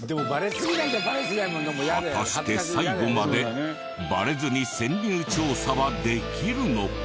果たして最後までバレずに潜入調査はできるのか？